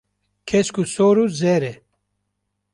Kesk û sor û zer e.